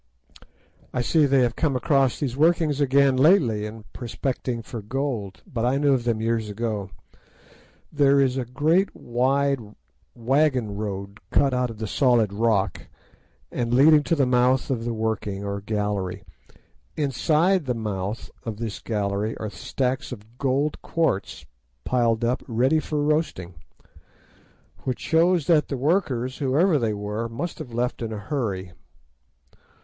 I see they have come across these workings again lately in prospecting for gold, but I knew of them years ago. There is a great wide wagon road cut out of the solid rock, and leading to the mouth of the working or gallery. Inside the mouth of this gallery are stacks of gold quartz piled up ready for roasting, which shows that the workers, whoever they were, must have left in a hurry.